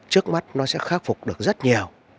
trước mắt nó sẽ khắc phục được rất nhiều